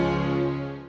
terima kasih banyak